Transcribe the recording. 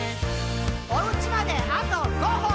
「おうちまであと５歩！」